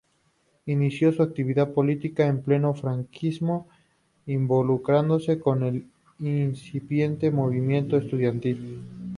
Inició su actividad política en pleno franquismo, involucrándose con el incipiente movimiento estudiantil.